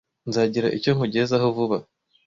Nzagira icyo nkugezaho vuba.